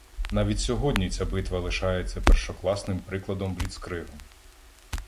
Навіть сьогодні ця битва лишається першокласним прикладом бліцкригу.